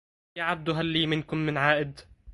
يا عبد هل لي منكم من عائد